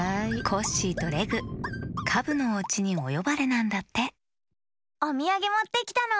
コッシーとレグカブのおうちにおよばれなんだっておみやげもってきたの！